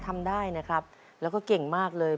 ทำได้นะครับแล้วก็เก่งมากเลย